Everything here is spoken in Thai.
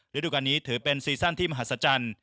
ฤดูการนี้ถือเป็นซีซั่นที่มหัศจรรย์